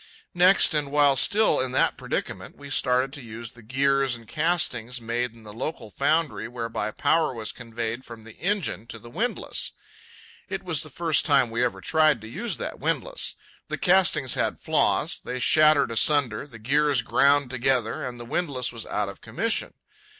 Next, and while still in that predicament, we started to use the gears and castings made in the local foundry whereby power was conveyed from the engine to the windlass. It was the first time we ever tried to use that windlass. The castings had flaws; they shattered asunder, the gears ground together, and the windlass was out of commission.